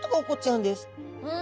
うん？